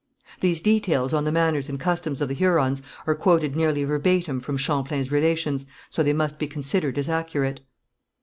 These details on the manners and customs of the Hurons are quoted nearly verbatim from Champlain's Relations, so they must be considered as accurate.